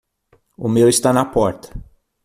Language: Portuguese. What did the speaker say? O meu está na porta.